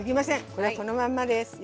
これはこのまんまですよ。